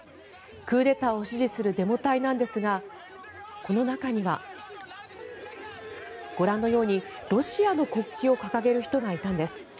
クーデターを支持するデモ隊なんですがこの中にはご覧のようにロシアの国旗を掲げる人がいたんです。